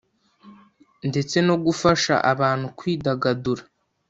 ndetse no gufasha abantu kwidagadura